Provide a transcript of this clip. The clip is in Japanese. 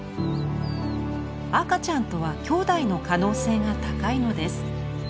赤ちゃんとはきょうだいの可能性が高いのです。